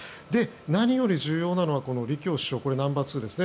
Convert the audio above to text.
何より重要なのは李強首相ナンバーツーですね